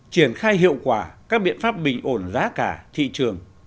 triển khai hiệu quả các biện pháp bình ổn giá cả thị trường